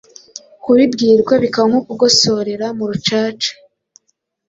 kubibwirwa bikaba nko kugosorera mu rucaca